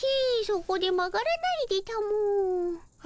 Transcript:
そこで曲がらないでたも。